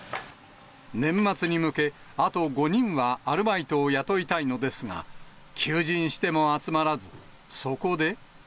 年末に向け、あと５人はアルバイトを雇いたいのですが、求人しても集まらず、そこで。